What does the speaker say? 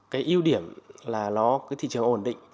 cái ưu điểm là thị trường ổn định